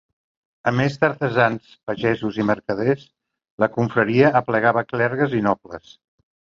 A més d'artesans, pagesos i mercaders, la confraria aplegava clergues i nobles.